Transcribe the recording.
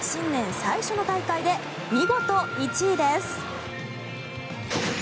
最初の大会で見事、１位です。